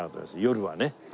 夜はね。